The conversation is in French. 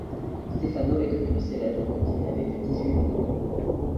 Stéfano est devenu célèbre quand il n'avait que dix-huit mois.